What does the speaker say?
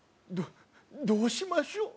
「どどうしましょう？」。